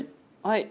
はい。